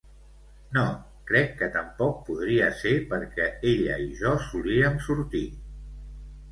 No, crec que tampoc podria ser perquè ella i jo solíem sortir.